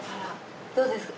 どうですか？